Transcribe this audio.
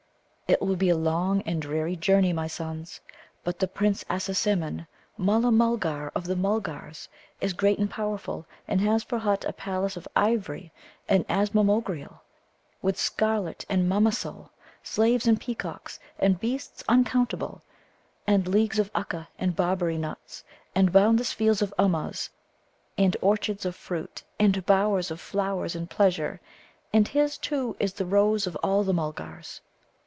"It will be a long and dreary journey, my sons. But the Prince Assasimmon, Mulla mulla of the Mulgars, is great and powerful, and has for hut a palace of ivory and Azmamogreel, with scarlet and Mamasul, slaves and peacocks, and beasts uncountable; and leagues of Ukka and Barbary nuts; and boundless fields of Ummuz, and orchards of fruit, and bowers of flowers and pleasure. And his, too, is the Rose of all the Mulgars."